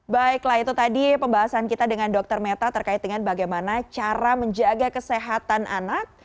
baiklah itu tadi pembahasan kita dengan dr meta terkait dengan bagaimana cara menjaga kesehatan anak